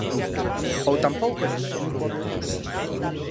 ¿Ou tampouco lles soa?